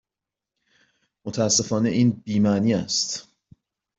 متاسفانه این بی معنی است.